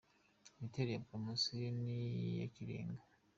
Imiterere ya Poromosiyo ya Ni Ikirengaaa.